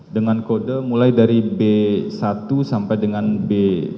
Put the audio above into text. dengan kode mulai dari b satu sampai dengan b tiga puluh lima